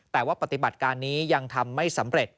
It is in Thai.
แต่ว่าปฏิบัติการนี้ยังทำไม่สำเร็จ